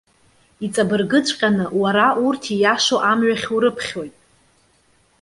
Иҵабыргыҵәҟьаны, уара, урҭ ииашоу амҩахь урыԥхьоит.